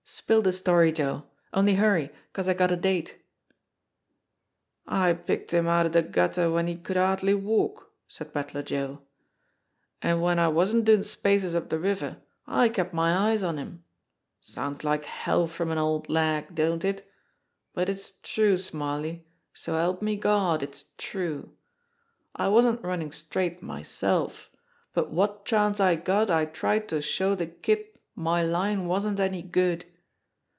Spill the story, Joe only hurry, 'cause I got a date." "I picked him outer de gutter w'en he could hardly walk," said Pedler Joe. "An' w'en I wasn't doin' spaces up de river, I kept my eye on him. Sounds like hell from an old lag, don't it? But it's true, Smarly, so help me Gawd, it's true! I wasn't runnin' straight myself, but wot chance I got I tried to show de kid my line wasn't any good.